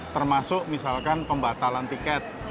termasuk misalkan pembatalan tiket